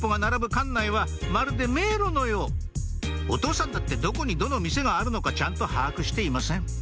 館内はまるで迷路のようお父さんだってどこにどの店があるのかちゃんと把握していません